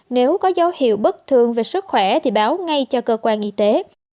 nếu có dấu hiệu bất thường về sức khỏe thì báo ngay cho cơ quan y tế